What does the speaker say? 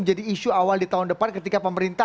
menjadi isu awal di tahun depan ketika pemerintah